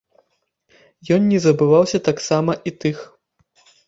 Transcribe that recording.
Ён не забываўся таксама і тых.